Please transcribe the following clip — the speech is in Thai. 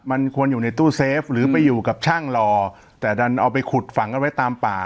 มันควรอยู่ในตู้เซฟหรือไปอยู่กับช่างรอแต่ดันเอาไปขุดฝังเอาไว้ตามป่า